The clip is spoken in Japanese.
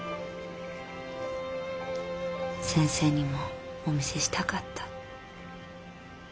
先生にもお見せしたかった。